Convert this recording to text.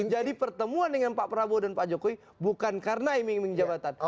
jadi pertemuan dengan pak prabowo dan pak jokowi bukan karena iming iming jabatan